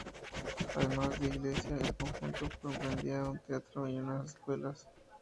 Además de iglesia, el conjunto comprendía un teatro y unas escuelas.